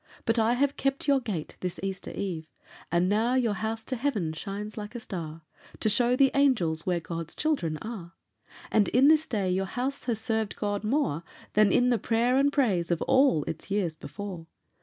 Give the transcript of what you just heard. But I have kept your gate this Easter Eve, And now your house to heaven shines like a star To show the Angels where God's children are; And in this day your house has served God more Than in the praise and prayer of all its years before.